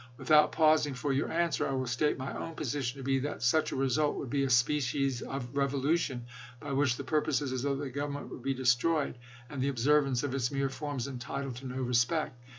Without pausing for your answer, I will state my own position to be that such a result would be a species of revolution by which the purposes of the Government would be destroyed, and the observance of its mere forms entitled to no respect.